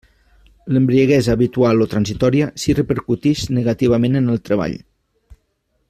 L'embriaguesa habitual o transitòria si repercutix negativament en el treball.